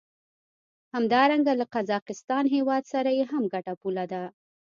همدارنګه له قزاقستان هېواد سره یې هم ګډه پوله ده.